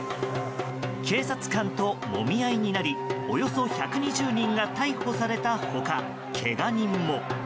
警察官ともみ合いになりおよそ１２０人が逮捕された他けが人も。